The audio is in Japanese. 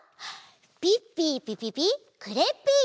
ピッピーピピピクレッピー！